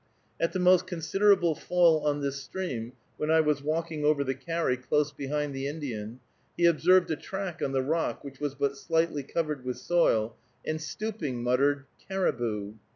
At the most considerable fall on this stream, when I was walking over the carry, close behind the Indian, he observed a track on the rock, which was but slightly covered with soil, and, stooping, muttered "caribou."